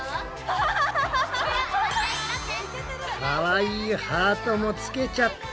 かわいいハートもつけちゃった！